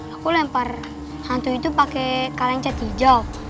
aku lempar hantu itu pakai kaleng cat hijau